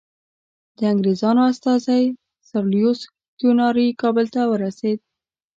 د انګریزانو استازی سر لویس کیوناري کابل ته ورسېد.